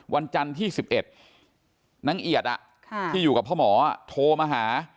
วันจันที่สิบเอ็ดน้องเอียดอ่ะค่ะที่อยู่กับพ่อหมออ่ะโทรมาหา